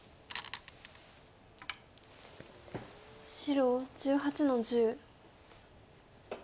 白１８の十。